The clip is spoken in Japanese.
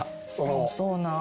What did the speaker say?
そうなん？